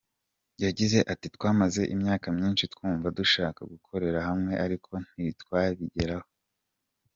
Yagize ati “Twamaze imyaka myinshi twumva dushaka gukorera hamwe ariko ntitwabigeraho.